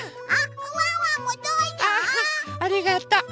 ありがとう。